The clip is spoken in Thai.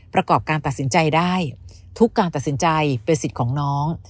ประกอบการตัดสินใจได้ทุกการตัดสินใจเป็นสิทธิ์ของน้อง